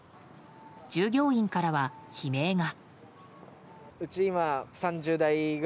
従業員からは悲鳴が。